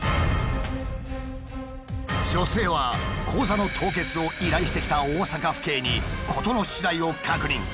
女性は口座の凍結を依頼してきた大阪府警に事の次第を確認。